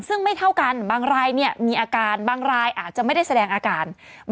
ซึ่งไม่เท่ากันบางรายเนี่ยมีอาการบางรายอาจจะไม่ได้แสดงอาการ